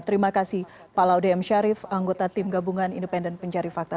terima kasih pak laude m syarif anggota tim gabungan independen pencari fakta